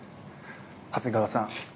長谷川さん